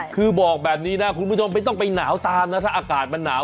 คือบอกแบบนี้นะคุณผู้ชมไม่ต้องไปหนาวตามนะถ้าอากาศมันหนาว